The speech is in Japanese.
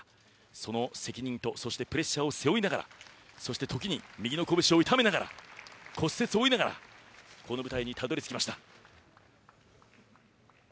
その責任とプレッシャーを背負いながら時に右の拳を痛めながら骨折を負いながらこの舞台にたどり着きました。